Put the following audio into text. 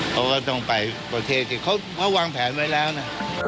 เขาก็ต้องไปประเทศที่เขาวางแผนไว้แล้วนะ